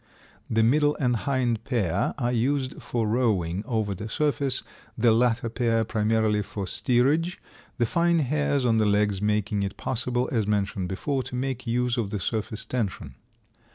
The middle and hind pair are used for rowing over the surface, the latter pair, primarily, for steerage, the fine hairs on the legs making it possible, as mentioned before, to make use of the surface tension.